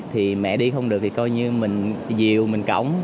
thì mẹ đi không được thì coi như mình dìu mình cõng